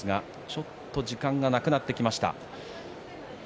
ちょっと時間がなくなってきました。